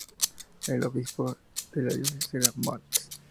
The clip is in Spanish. El obispo de la diócesis era Mons.